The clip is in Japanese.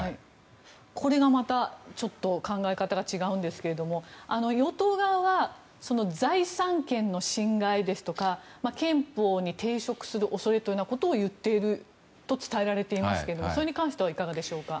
これがまたちょっと考え方が違うんですが与党側は、財産権の侵害ですとか憲法に抵触する恐れというようなことを言っていると伝えられていますがそれに関してはいかがでしょうか？